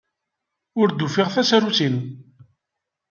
Ur d-ufiɣ tasarut-inu.